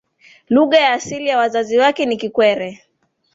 lugha ya asili ya wazazi wake ni kikwere